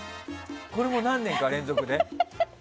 これも何年か連続で？